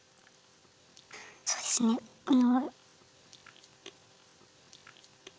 そうですねあの。